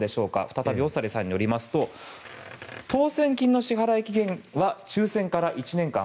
再び長利さんによりますと当選金の支払期限は抽選から１年間。